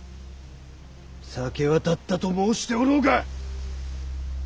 酒は断ったと申しておろうが！